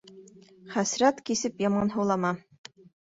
Хәсрәт кисеп яманһыулама.